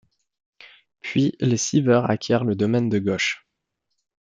Puis les Sievers acquièrent le domaine de Gosch.